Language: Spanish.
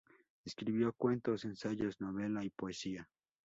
Escribió cuentos, ensayos, novela y poesía.